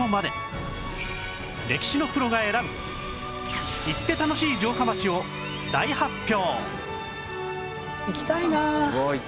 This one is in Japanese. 歴史のプロが選ぶ行って楽しい城下町を大発表